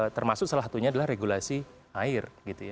termasuk salah satunya adalah regulasi air